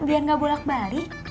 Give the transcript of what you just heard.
biar gak bolak balik